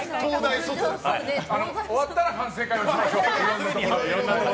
終わったら反省会をしましょう。